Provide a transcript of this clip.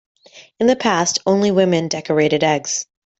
In the past, only women decorated eggs.